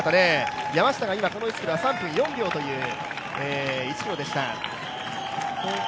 山下がこの１ｋｍは３分４秒という１ｋｍでした。